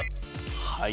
はい。